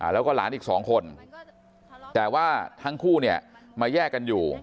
แล้วก็หลานอีกสองคนแต่ว่าทั้งคู่เนี่ยมาแยกกันอยู่